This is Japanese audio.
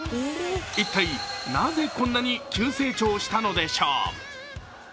一体、なぜこんなに急成長したのでしょう。